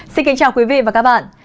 xin kính chào quý vị và các bạn